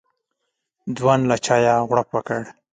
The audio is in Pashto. ځوان له چايه غوړپ وکړ.